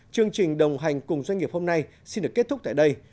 chương trình đồng hành cùng doanh nghiệp hôm nay xin được kết thúc tại đây